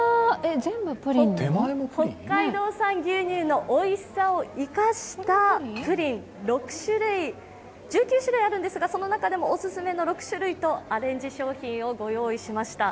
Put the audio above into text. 北海道産牛乳のおいしさを生かしたプリン１９種類あるんですが、その中でもオススメの６種類とアレンジ商品をご用意しました。